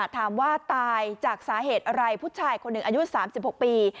ถามว่าตายจากสาเหตุอะไรผู้ชายคนหนึ่งอายุ๓๖ปี